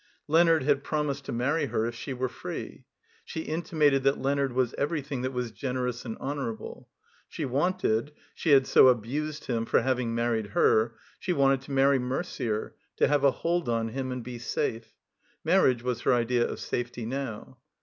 Leonard had promised to marry her if she were free. She intimated that Leonard was everything that was generous and honorable. She wanted (she who had abused him so for having mar ried her), she wanted to many Merder, to have a hold on him and be safe. Marriage was her idea of safety now.